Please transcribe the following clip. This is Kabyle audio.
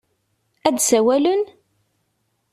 Ad d-sawalen?